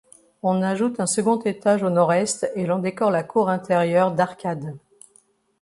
On ajoute un second étage au nord-est et l'on décore la cour intérieure d'arcades.